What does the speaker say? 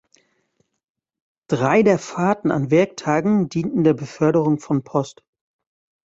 Drei der Fahrten an Werktagen dienten der Beförderung von Post.